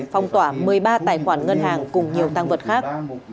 phong tỏa một mươi ba tài khoản ngân hàng cùng nhiều tăng vật khác